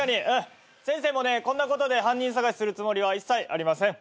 先生もねこんなことで犯人捜しするつもりは一切ありません。